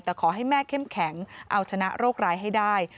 แต่ขอให้แม่เข้มแข็งเอาชนะโรคร้ายให้ได้